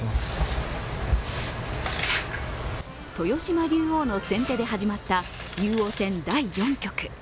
豊島竜王の先手で始まった竜王戦第４局。